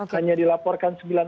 hanya dilaporkan sembilan orang